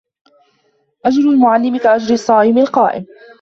أَجْرُ الْمُعَلِّمِ كَأَجْرِ الصَّائِمِ الْقَائِمِ